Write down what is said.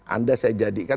anda saya jadikan